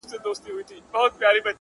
له عرب تر چین ماچینه مي دېرې دي!.